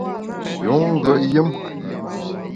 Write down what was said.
Yun ngùet yùm !